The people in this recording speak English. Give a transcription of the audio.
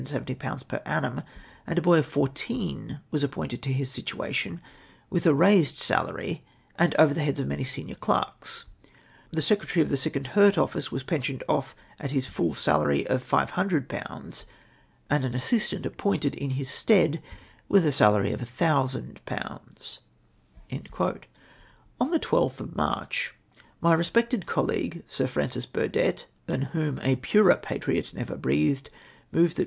per annum, and a hoy of fourteen was appointed to his situation ivlih a raised salary, and over the heads of many senior clerks. The Secretary of the Sick and Hurt Office Avas jaensioned off at his full salary of 500/., and an assistant appointed in his stead with a salary o/lOOO/.//" On the 12 til of March, my respected colleague, Su' Francis Burdett, than whom a purer patriot never breathed, moved that Mi'.